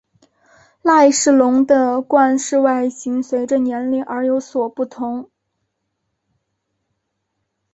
赖氏龙的冠饰外形随者年龄而有所不同。